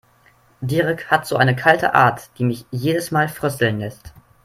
Dirk hat so eine kalte Art, die mich jedes Mal frösteln lässt.